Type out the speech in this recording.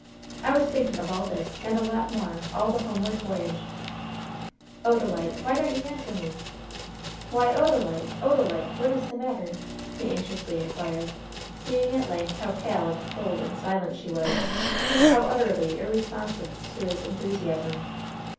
I was thinking of all this, and a lot more, all the homeward voyage. Odalite, why don't you answer me? Why, Odalite! Odalite! What is the matter?" he anxiously inquired, seeing at length how pale and cold and silent she was how utterly irresponsive to his enthusiasm.